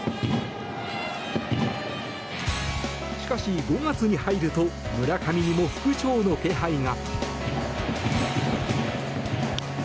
しかし、５月に入ると村上にも復調の気配が。